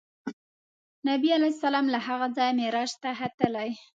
نبي علیه السلام له هغه ځایه معراج ته ختلی.